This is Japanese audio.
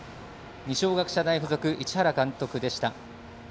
二松学舎大付属市原監督でした。